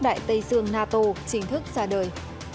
đại tây dương nato chính thức ra đời